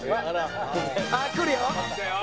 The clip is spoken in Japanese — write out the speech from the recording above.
あっくるよ！